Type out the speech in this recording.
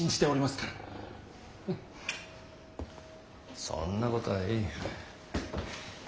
フッそんなことはいい。